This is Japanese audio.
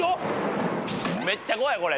めっちゃ怖いこれ。